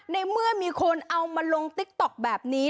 ในเมื่อมีคนเอามาลงติ๊กต๊อกแบบนี้